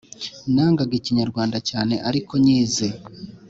Nangaga ikinyarwanda cyane ariko nyizi